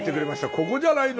「ここじゃないの？